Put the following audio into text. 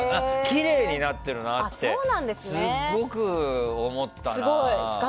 きれいになってるなってすごく思ったな。